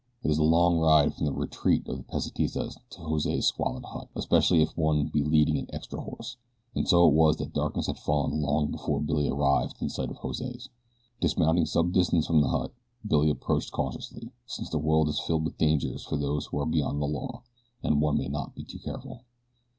It is a long ride from the retreat of the Pesitistas to Jose's squalid hut, especially if one be leading an extra horse, and so it was that darkness had fallen long before Billy arrived in sight of Jose's. Dismounting some distance from the hut, Billy approached cautiously, since the world is filled with dangers for those who are beyond the law, and one may not be too careful.